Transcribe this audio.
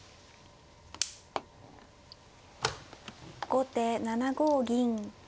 後手７五銀。